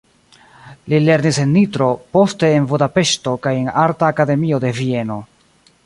Li lernis en Nitro, poste en Budapeŝto kaj en arta akademio de Vieno.